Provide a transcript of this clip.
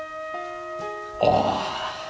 ああ！